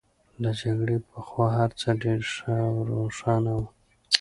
له جګړې پخوا هرڅه ډېر ښه او روښانه وو